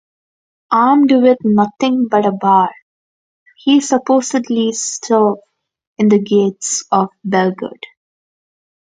Armed with nothing but a bar, he supposedly stove in the gates of Belgrade.